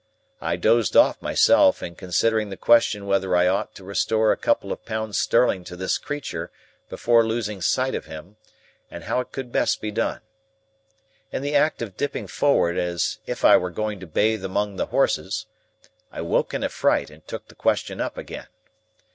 I dozed off, myself, in considering the question whether I ought to restore a couple of pounds sterling to this creature before losing sight of him, and how it could best be done. In the act of dipping forward as if I were going to bathe among the horses, I woke in a fright and took the question up again.